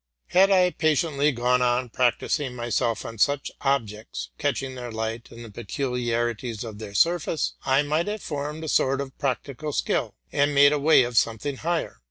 Had I patiently gone on practising on such objects, catching their light. and the peculiarities of their surface, I might have formed a sort of practical skill, and made a way for something higher.